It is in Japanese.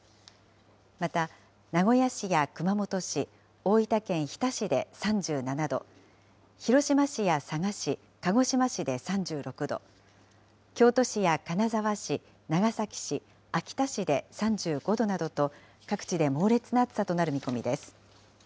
また名古屋市や熊本市、大分県日田市で３７度、広島市や佐賀市、鹿児島市で３６度、京都市や金沢市、長崎市、秋田市で３５度などと各地で猛烈な暑さとなる見込みです。